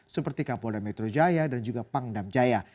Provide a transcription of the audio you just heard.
seperti kapolda metro jaya dan juga pangdam jaya